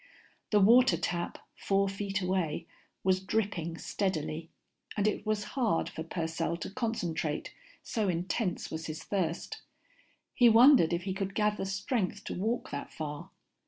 The water tap, four feet away, was dripping steadily, and it was hard for Purcell to concentrate, so intense was his thirst. He wondered if he could gather strength to walk that far.